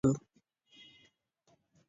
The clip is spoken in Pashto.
ښه اخلاق ولرو.